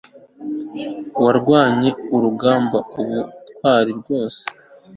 Warwanye urugamba ubutwari rwose